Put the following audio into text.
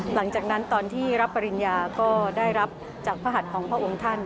หลังจากที่รับปริญญาก็ได้รับจากพระหัสของพระองค์ท่าน